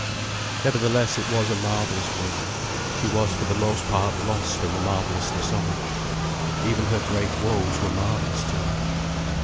Nevertheless it was a marvellous world, she was for the most part lost in the marvellousness of it. Even her great woes were marvellous to her.